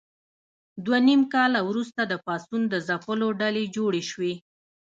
دوه نیم کاله وروسته د پاڅون د ځپلو ډلې جوړې شوې.